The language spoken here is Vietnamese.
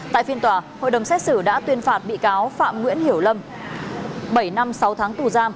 tại phiên tòa hội đồng xét xử đã tuyên phạt bị cáo phạm nguyễn hiểu lâm bảy năm sáu tháng tù giam